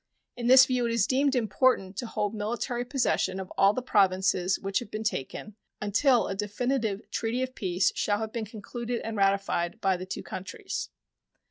In this view it is deemed important to hold military possession of all the Provinces which have been taken until a definitive treaty of peace shall have been concluded and ratified by the two countries.